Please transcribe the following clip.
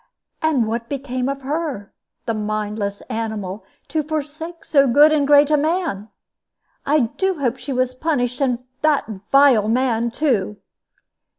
"And what became of her the mindless animal, to forsake so good and great a man! I do hope she was punished, and that vile man too."